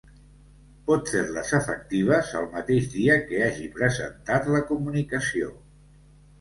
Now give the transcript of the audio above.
Pot fer-les efectives el mateix dia que hagi presentat la comunicació.